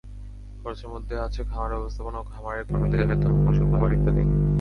খরচের মধ্যে আছে খামার ব্যবস্থাপনা, খামারের কর্মীদের বেতন, পশুর খাবার ইত্যাদি।